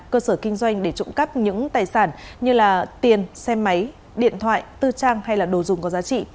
cơ sở kinh doanh để trộm cắp những tài sản như tiền xe máy điện thoại tư trang hay là đồ dùng có giá trị